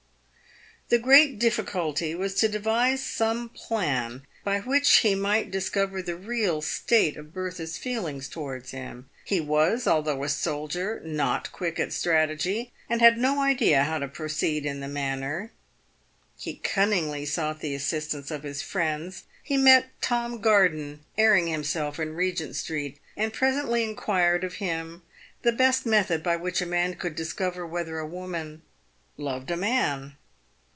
The great difficulty was to devise some plan by which he might dis cover the real state of Bertha's feeling towards him. He was, although a soldier, not quick at strategy, and had no idea how to proceed in the matter. He cunningly sought the assistance of his friends. He met Tom Garden airing himself in Begent street, and presently inquired of him the best method by which a man could discover whether a woman loved a man.